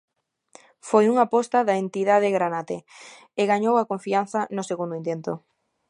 Foi unha aposta da entidade granate e gañou a confianza no segundo intento.